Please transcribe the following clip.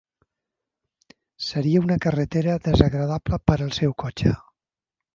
Seria una carretera desagradable per al seu cotxe.